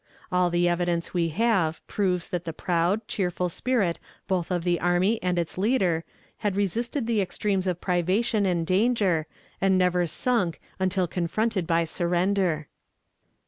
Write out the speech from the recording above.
All the evidence we have proves that the proud, cheerful spirit both of the army and its leader had resisted the extremes of privation and danger, and never sunk until confronted by surrender.